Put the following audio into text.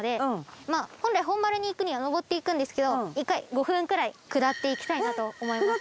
本来本丸に行くには上っていくんですけど一回５分くらい下っていきたいなと思います。